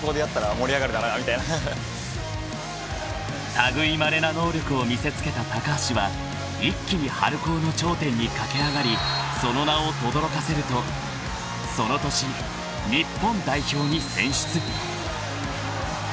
［類いまれな能力を見せつけた橋は一気に春高の頂点に駆け上がりその名をとどろかせるとその年日本代表に選出］